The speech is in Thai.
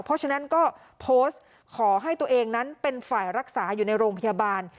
เพราะฉะนั้นก็โพสต์ขอให้ตัวเองนั้นเป็นฝ่ายรักษาอยู่ในโรงพยาบาล